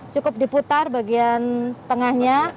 cukup diputar bagian tengahnya